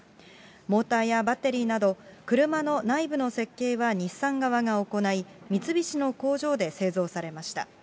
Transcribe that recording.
モーターやバッテリーなど、車の内部の設計は日産側が行い、三菱の工場で製造されました。